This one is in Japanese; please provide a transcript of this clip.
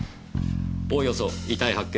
おおよそ遺体発見